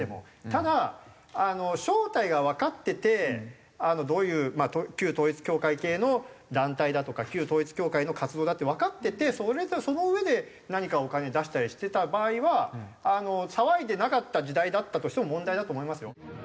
ただ正体がわかっててどういう旧統一教会系の団体だとか旧統一教会の活動だってわかっててそれでそのうえで何かお金出したりしてた場合は騒いでなかった時代だったとしても問題だと思いますよ。